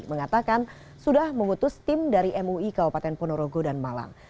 mengatakan sudah mengutus tim dari mui kabupaten ponorogo dan malang